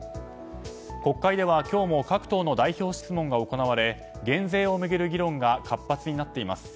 国会では今日も各党の代表質問が行われ減税を巡る議論が活発になっています。